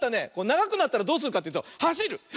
ながくなったらどうするかっていうとはしる！